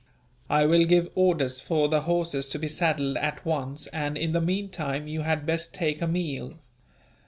I will give orders for the horses to be saddled at once and, in the meantime, you had best take a meal.